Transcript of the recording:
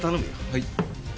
はい。